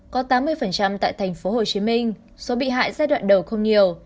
có tám mươi tại tp hcm số bị hại giai đoạn đầu không nhiều